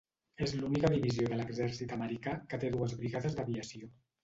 És l'única divisió de l'Exèrcit americà que té dues brigades d'aviació.